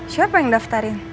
siapa yang daftarin